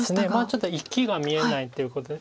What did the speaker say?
ちょっと生きが見えないということで。